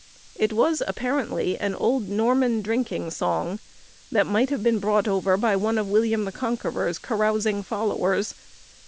It was apparently an old Norman drinking song, that might have been brought over by one of William the Conqueror's carousing followers.